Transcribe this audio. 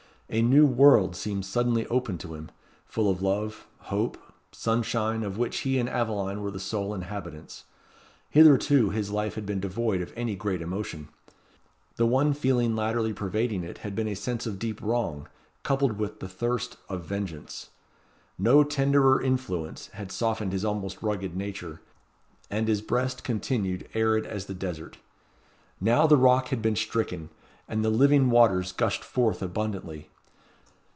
A new world seemed suddenly opened to him, full of love, hope, sunshine, of which he and Aveline were the sole inhabitants. Hitherto his life had been devoid of any great emotion. The one feeling latterly pervading it had been a sense of deep wrong, coupled with the thirst of vengeance. No tenderer influence had softened his almost rugged nature; and his breast continued arid as the desert. Now the rock had been stricken, and the living waters gushed forth abundantly.